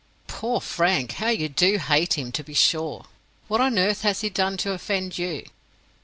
"Poor Frank! How you do hate him, to be sure. What on earth has he done to offend you?"